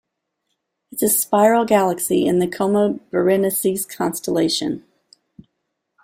It is a spiral galaxy in the Coma Berenices constellation.